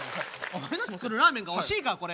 お前の作るラーメンがおいしいかこれ。